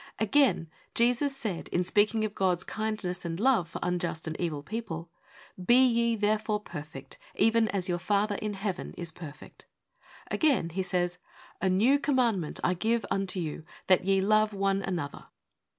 Again, Jesus said, in speaking of God's kindness and love for unjust and evil people, ' Be ye therefore perfect, even as your Father in Heaven is perfect.' WHAT IS HOLINESS ? 5 Again, He says, 'A new commandment I give unto you, that ye love one another.